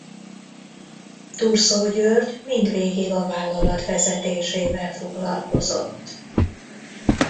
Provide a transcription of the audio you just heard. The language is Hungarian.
Thurzó György mindvégig a vállalat vezetésével foglalkozott.